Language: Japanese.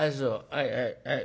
はいはいはい。